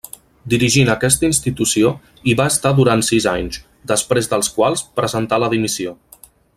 Dirigint aquesta institució hi va estar durant sis anys, després dels quals presentà la dimissió.